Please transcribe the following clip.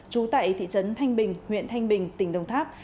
trú tại thị trấn thanh bình huyện thanh bình tỉnh đồng tháp